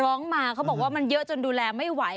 ร้องมาเขาบอกว่ามันเยอะจนดูแลไม่ไหว